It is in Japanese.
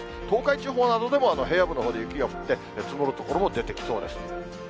東海地方などでも平野部のほうで雪が降って、積もる所も出てきそうです。